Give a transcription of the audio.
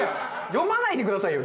読まないでくださいよ！